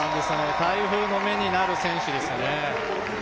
台風の目になる選手ですよね。